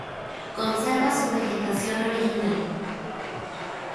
Conserva su vegetación original.